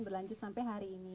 berlanjut sampai hari ini